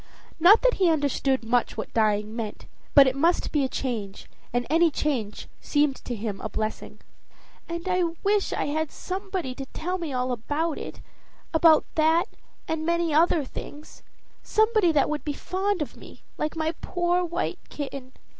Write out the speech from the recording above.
Not that he understood much what dying meant, but it must be a change, and any change seemed to him a blessing. "And I wish I had somebody to tell me all about it about that and many other things; somebody that would be fond of me, like my poor white kitten."